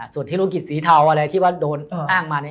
ส่วนที่ธุรกิจสีเทาอะไรที่ว่าโดนอ้างมา